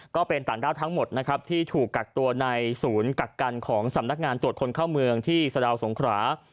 ก็เป็นต่างด้าวทั้งหมดนะครับที่ถูกกักตัวในศูนย์กักกันของสำนักงานตรวจคนเข้าเมืองที่สะดาวสงขรา